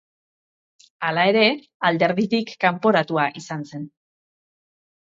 Hala ere, alderditik kanporatua izan zen.